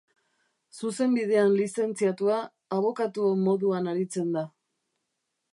Zuzenbidean lizentziatua, abokatu moduan aritzen da.